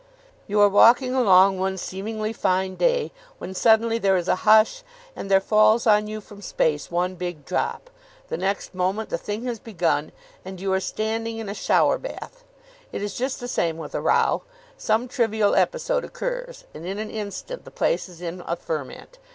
You are walking along one seemingly fine day, when suddenly there is a hush, and there falls on you from space one big drop. The next moment the thing has begun, and you are standing in a shower bath. It is just the same with a row. Some trivial episode occurs, and in an instant the place is in a ferment.